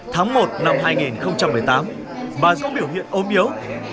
tháng một năm hai nghìn một mươi tám bà giống biểu hiện ôm yếu